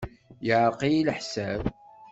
Yeɛreq-iyi leḥsab.